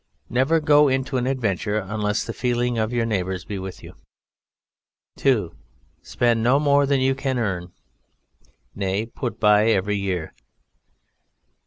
Never go into an adventure unless the feeling of your neighbours be with you. 2. Spend no more than you earn nay, put by every year.